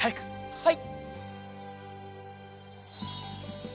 はい。